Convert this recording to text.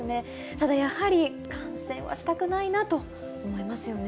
ただやはり、感染はしたくないなと思いますよね。